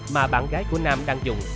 mà bạn gái của nam đang dùng